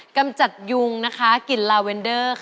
กำจัดยุงนะคะกลิ่นลาเวนเดอร์